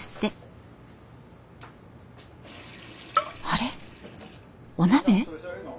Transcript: あれっお鍋？